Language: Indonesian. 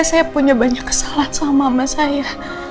saya punya banyak kesalahan sama saya